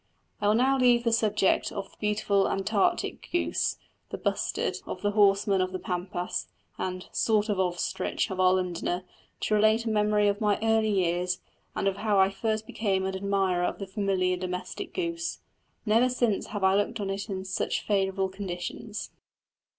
I will now leave the subject of the beautiful antarctic goose, the "bustard" of the horsemen of the pampas, and "sort of ostrich" of our Londoner, to relate a memory of my early years, and of how I first became an admirer of the familiar domestic goose. Never since have I looked on it in such favourable conditions.